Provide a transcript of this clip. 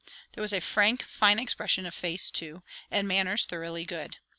There was a frank, fine expression of face, too; and manners thoroughly good.